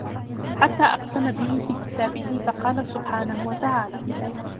حَتَّى أَقْسَمَ بِهِ فِي كِتَابِهِ فَقَالَ سُبْحَانَهُ وَتَعَالَى